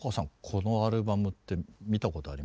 このアルバムって見たことありました？